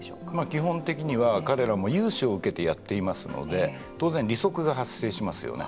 基本的には彼らも融資を受けてやっていますので当然、利息が発生しますよね。